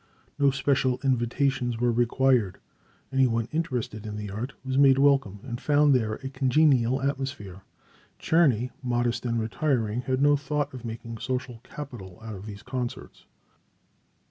No special invitations were required. Any one interested in the art was made welcome, and found there a congenial atmosphere. Czerny, modest and retiring, had no thought of making social capital out of these concerts.